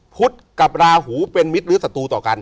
พุทธกับราหูเป็นมิตรหรือศัตรูต่อกัน